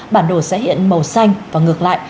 bản đồ sẽ hiện màu xanh và ngược lại